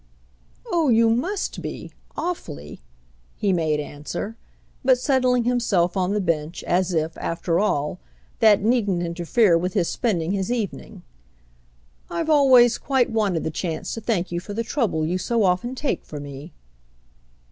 "Ah you must be, awfully!" he made answer, but settling himself on the bench as if, after all, that needn't interfere with his spending his evening. "I've always quite wanted the chance to thank you for the trouble you so often take for me."